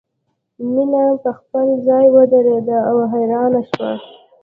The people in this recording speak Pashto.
مینه په خپل ځای ودریده او حیرانه شوه